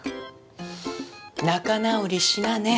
仲直りしなね